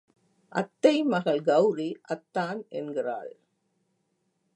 அத்தை மகள் கெளரி அத்தான் என்கிறாள்!